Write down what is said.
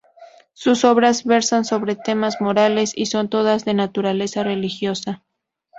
Sus obras versan sobre temas morales y son todas de naturaleza religiosa.